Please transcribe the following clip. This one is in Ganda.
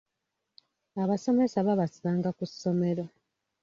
Abasomesa babasanga ku ssomero.